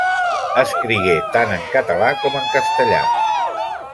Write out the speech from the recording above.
Escrigué tant en català com en castellà.